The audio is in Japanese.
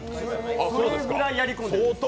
それぐらいやり込んでる。